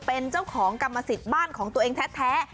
เป็นเจ้าของกรรมสิทธิ์บ้านของตัวเองแท้